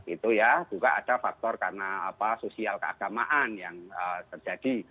itu ya juga ada faktor karena sosial keagamaan yang terjadi